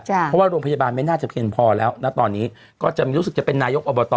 เพราะว่าโรงพยาบาลไม่น่าจะเพียงพอแล้วนะตอนนี้ก็จะรู้สึกจะเป็นนายกอบต